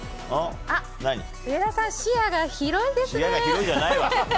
上田さん、視野が広いですね。